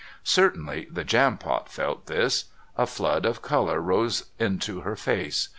Certainly the Jampot felt this; a flood of colour rose into her face.